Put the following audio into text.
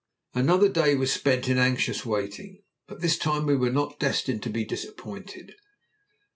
Another day was spent in anxious waiting, but this time we were not destined to be disappointed.